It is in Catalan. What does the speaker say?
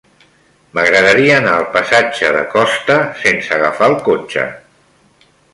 M'agradaria anar al passatge de Costa sense agafar el cotxe.